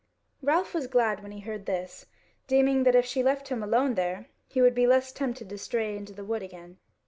Ralph was glad when he heard this, deeming that if she left him alone there, he would be the less tempted to stray into the wood again.